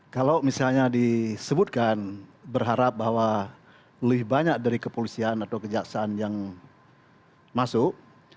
kalau misalnya disebutkan berharap bahwa lebih banyak dari kepolisian atau kejaksaan yang masuk